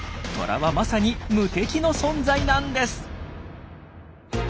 トラはまさに無敵の存在なんです。